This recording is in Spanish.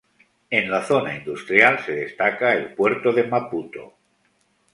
En la zona industrial, se destaca el puerto de Maputo.